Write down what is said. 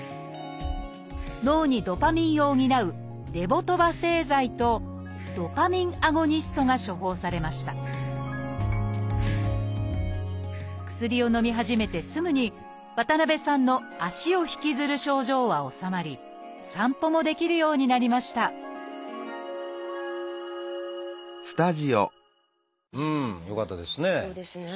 脳にドパミンを補う「レボドパ製剤」と「ドパミンアゴニスト」が処方されました薬をのみ始めてすぐに渡辺さんの足を引きずる症状は治まり散歩もできるようになりましたうんよかったですね。